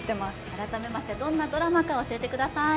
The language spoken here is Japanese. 改めまして、どんなドラマか教えてください。